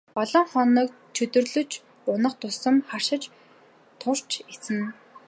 Олон хоног чөдөрлөж унах тусам харшиж турж эцнэ.